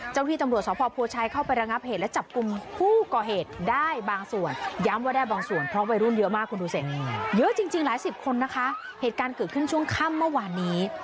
เยอะจริงหลายสิบคนนะคะเหตุการณ์เกิดขึ้นช่วงค่ำเมื่อวานนี้